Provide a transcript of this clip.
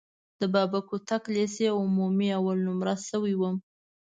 د بابا هوتک لیسې عمومي اول نومره شوی وم.